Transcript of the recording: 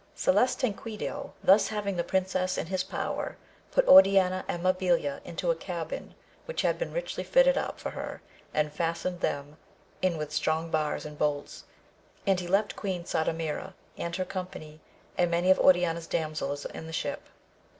Salustanquidio thus having the princesses in his power, put Oriana and Mabilia into a cabin which had been richly fitted up for her and fastened them in with strong bars and bolts, and he left Queen Sardamira and her company, and many of Oriana's damsels in the ship.